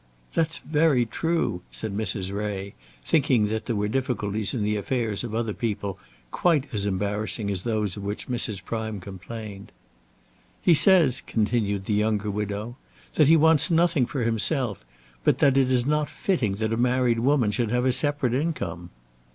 "That's very true," said Mrs. Ray, thinking that there were difficulties in the affairs of other people quite as embarrassing as those of which Mrs. Prime complained. "He says," continued the younger widow, "that he wants nothing for himself, but that it is not fitting that a married woman should have a separate income."